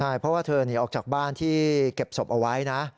ใช่เพราะว่าเธอหนีออกจากบ้านที่เก็บศพเอาไว้นะ